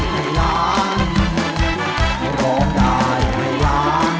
สกิจบนโน้นเตายะ